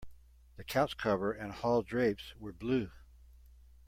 The couch cover and hall drapes were blue.